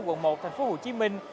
quận một thành phố hồ chí minh